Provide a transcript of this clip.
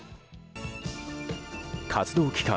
活動期間